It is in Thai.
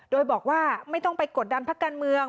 โดยบอกว่าไม่ต้องไปกดดันพักการเมือง